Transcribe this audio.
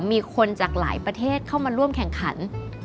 มีคนจากหลายประเทศเข้ามาร่วมแข่งขัน